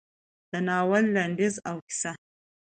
د ناول لنډیز او کیسه: